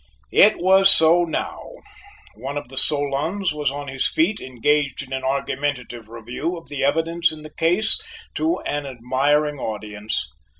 It was so now; one of the Solons was on his feet engaged in an argumentative review of the evidence in the case to an admiring audience.